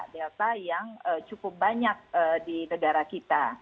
delta yang cukup banyak di negara kita